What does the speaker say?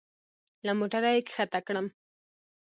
له موټره يې کښته کړم.